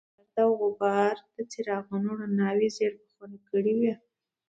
ګرد او غبار د څراغونو رڼاوې ژېړ بخونې کړې وې.